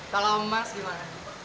kalau mas gimana